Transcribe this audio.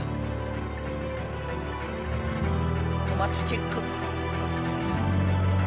小松チェック。